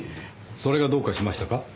それがどうかしましたか？